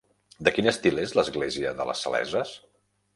De quin estil és l'església de les Saleses?